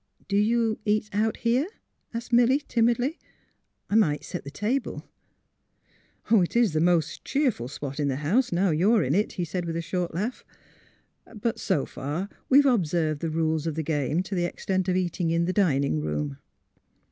'' Do you eat — out here ?'' asked Milly, timidly. I might set the table." A LITTLE JOURNEY 125 " It's the most cheerful spot in the house — now you're in it," he said, with a short laugh. '* But so far we've observed the rules of the game to the extent of eating in the dining room."